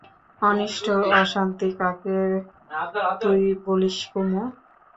অনিষ্ট অশান্তি কাকে তুই বলিস কুমু?